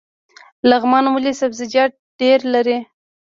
لغمان ولې سبزیجات ډیر لري؟